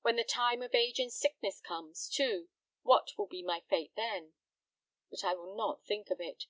When the time of age and sickness comes, too, what will be my fate then? But I will not think of it.